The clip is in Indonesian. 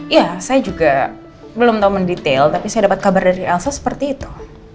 ya saya juga belum tahu mendetail tapi saya dapat kabar dari elsa seperti itu